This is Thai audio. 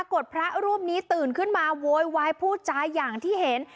พระรูปนี้ตื่นขึ้นมาโวยวายพูดจาอย่างที่เห็น